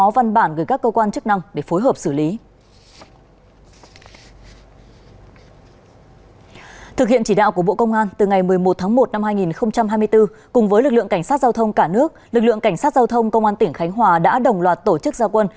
vào tháng một năm hai nghìn hai mươi bốn cùng với lực lượng cảnh sát giao thông cả nước lực lượng cảnh sát giao thông công an tỉnh khánh hòa đã đồng loạt tổ chức giao quân